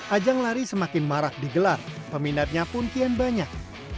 ajang lari semakin marak digelar peminatnya pun kian banyak